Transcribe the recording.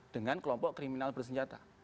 dengan kelompok kriminal bersenjata